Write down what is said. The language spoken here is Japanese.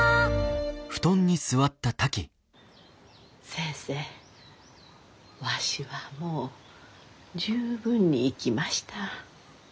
先生わしはもう十分に生きました。